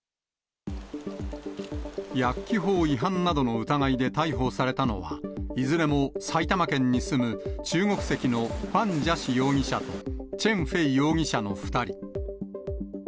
薬機法違反などの疑いで逮捕されたのは、いずれも埼玉県に住む中国籍のファン・ジャシ容疑者とチェン・フェイ容疑者の２人。